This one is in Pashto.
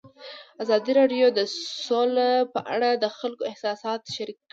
ازادي راډیو د سوله په اړه د خلکو احساسات شریک کړي.